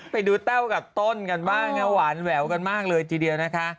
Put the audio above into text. แต้วกับต้นกันบ้างนะหวานแหววกันมากเลยทีเดียวนะคะ